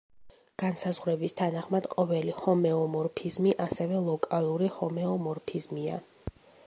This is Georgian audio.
განსაზღვრების თანახმად, ყოველი ჰომეომორფიზმი ასევე ლოკალური ჰომეომორფიზმია.